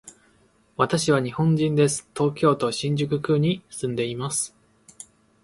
私は日本人です。東京都新宿区に住んでいます。